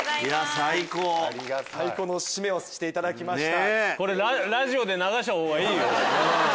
最高の締めをしていただきました。